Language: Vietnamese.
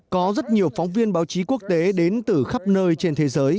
có rất nhiều phóng viên báo chí quốc tế đến từ khắp nơi trên thế giới